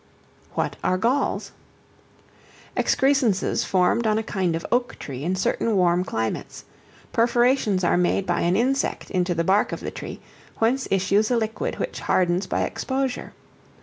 What are Galls? Excrescences formed on a kind of oak tree in certain warm climates; perforations are made by an insect into the bark of the tree, whence issues a liquid which hardens by exposure.